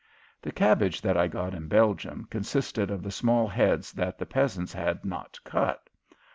The cabbage that I got in Belgium consisted of the small heads that the peasants had not cut.